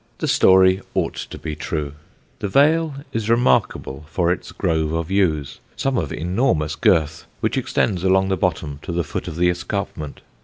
The story ought to be true. The vale is remarkable for its grove of yews, some of enormous girth, which extends along the bottom to the foot of the escarpment.